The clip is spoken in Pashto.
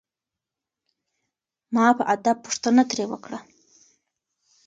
ما په ادب پوښتنه ترې وکړه.